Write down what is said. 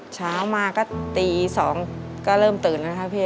เช้ามาก็ตี๒ก็เริ่มตื่นแล้วครับพี่